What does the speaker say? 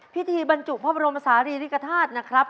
พิธีบรรจุพระบรมศาลีริกฐาตุนะครับ